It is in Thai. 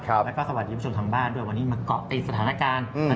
แล้วก็สวัสดีคุณผู้ชมทางบ้านด้วยวันนี้มาเกาะติดสถานการณ์